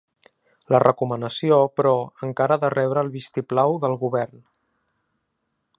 La recomanació, però, encara ha de rebre el vist-i-plau del govern.